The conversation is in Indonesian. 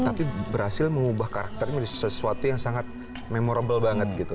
tapi berhasil mengubah karakternya menjadi sesuatu yang sangat memorable banget gitu